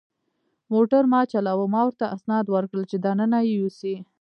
موټر ما چلاوه، ما ورته اسناد ورکړل چې دننه یې یوسي.